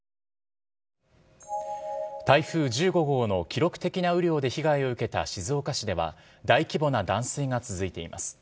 台風１５号の記録的な雨量で被害を受けた静岡市では、大規模な断水が続いています。